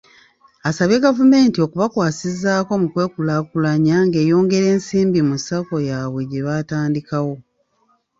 Asabye gavumenti okubakwasizaako mu kwekulaakulanya ng'eyongera ensimbi mu Sacco yaabwe gye baatandikawo.